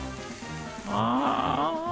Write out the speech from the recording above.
ああ。